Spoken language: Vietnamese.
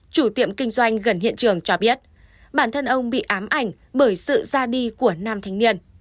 cho biết bản thân ông bị ám ảnh bởi sự ra đi của năm thanh niên